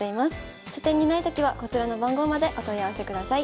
書店にないときはこちらの番号までお問い合わせください。